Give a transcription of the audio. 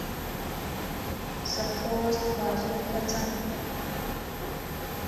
زه خوست بازور ته څم.